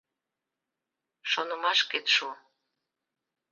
Шонымашкет шу.